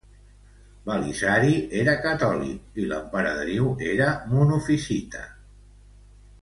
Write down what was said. Belisari era catòlic i l'emperadriu era monofisita.